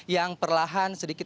yang perlahan sedikit